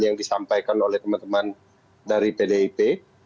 yang disampaikan oleh teman teman dari pdip